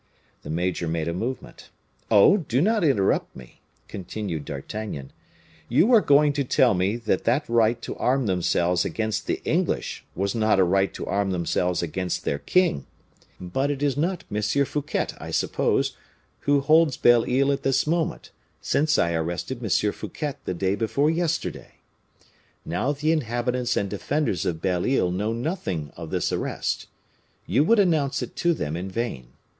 The major made a movement. "Oh! do not interrupt me," continued D'Artagnan. "You are going to tell me that that right to arm themselves against the English was not a right to arm themselves against their king. But it is not M. Fouquet, I suppose, who holds Belle Isle at this moment, since I arrested M. Fouquet the day before yesterday. Now the inhabitants and defenders of Belle Isle know nothing of this arrest. You would announce it to them in vain.